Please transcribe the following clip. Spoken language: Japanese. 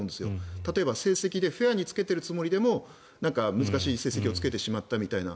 例えば成績でフェアにつけているつもりでも難しい成績をつけてしまったみたいな。